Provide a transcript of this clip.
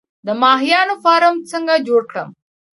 د ماهیانو فارم څنګه جوړ کړم؟